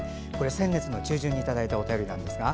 先月中旬にいただいたお便りですが。